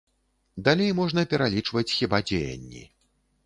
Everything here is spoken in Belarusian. Далей можна пералічваць хіба дзеянні.